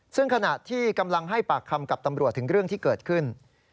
ซึ่งขณะที่กำลังให้ปากคำกับตำรวจถึงเรื่องที่เกิดขึ้น